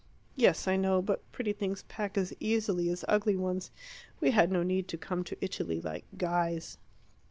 "Yes, I know; but pretty things pack as easily as ugly ones. We had no need to come to Italy like guys."